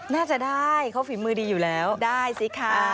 น่าจะได้เขาฝีมือดีอยู่แล้วได้สิคะ